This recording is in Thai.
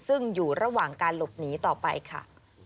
ซึ่งอยู่ระหว่างการหลบหนีต่อไปค่ะ